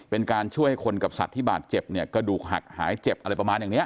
เป็นการช่วยคนกับสัตว์ที่บาดเจ็บเนี่ยกระดูกหักหายเจ็บอะไรประมาณอย่างนี้